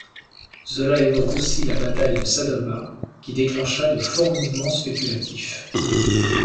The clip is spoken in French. Zola évoque aussi la bataille de Sadowa, qui déclencha de forts mouvements spéculatifs.